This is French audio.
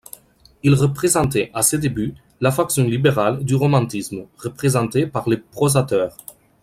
Il représentait, à ses débuts, la faction libérale du romantisme, représentée par les prosateurs.